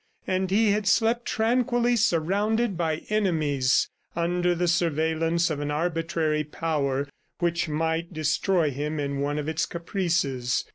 And he had slept tranquilly surrounded by enemies, under the surveillance of an arbitrary power which might destroy him in one of its caprices!